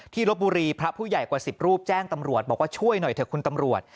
ลบบุรีพระผู้ใหญ่กว่า๑๐รูปแจ้งตำรวจบอกว่าช่วยหน่อยเถอะคุณตำรวจ